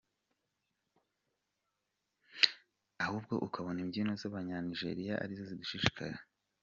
ahubwo ukabona imbyino z’abanyanijeriya ari zo zidushishikaje!.